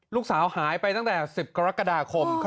ลูกสาวหายไปตั้งแต่๑๐กรกฎาคม